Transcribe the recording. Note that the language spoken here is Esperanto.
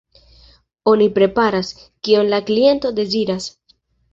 Oni preparas, kion la kliento deziras.